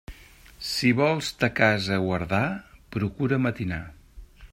Si vols ta casa guardar, procura matinar.